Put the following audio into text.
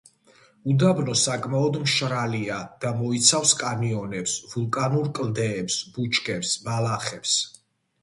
უდაბნო საკმაოდ მშრალია და მოიცავს კანიონებს, ვულკანურ კლდეებს, ბუჩქებს, ბალახებს.